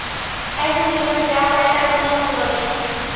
একজন জীবনে যা পায় তার কোনো মুল্য নেই।